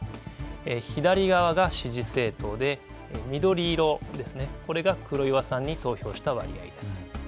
左側が支持政党で緑色、これが黒岩さんに投票した割合です。